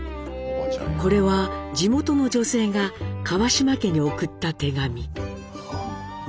これは地元の女性が川島家に送った手紙。